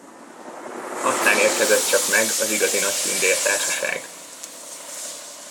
Aztán érkezett csak meg az igazi nagy tündértársaság.